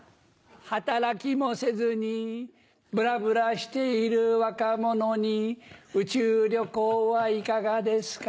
働きもせずにぶらぶらしている若者に宇宙旅行はいかがですか？